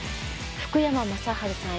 福山雅治さん